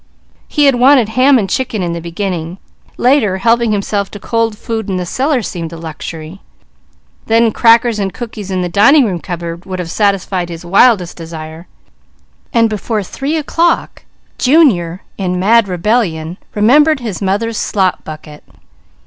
He had wanted ham and chicken in the beginning; later helping himself to cold food in the cellar seemed a luxury; then crackers and cookies in the dining room cupboard would have satisfied his wildest desire; and before three o'clock, Junior, in mad rebellion, remembered his mother's slop bucket.